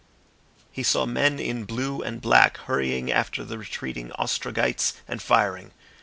He saw men in blue and black hurrying after the retreating Ostrogites and firing.